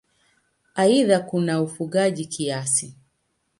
Aidha kuna ufugaji kiasi.